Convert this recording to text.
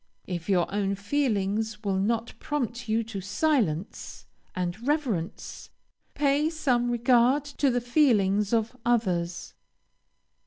If your own feelings will not prompt you to silence and reverence, pay some regard to the feelings of others.